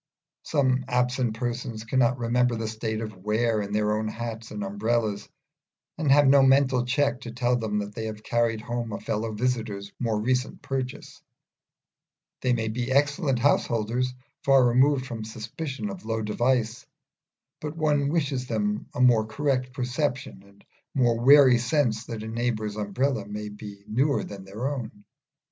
Some absent persons cannot remember the state of wear in their own hats and umbrellas, and have no mental check to tell them that they have carried home a fellow visitor's more recent purchase: they may be excellent householders, far removed from the suspicion of low devices, but one wishes them a more correct perception, and a more wary sense that a neighbour's umbrella may be newer than their own.